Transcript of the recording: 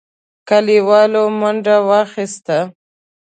کليوالو منډه واخيسته.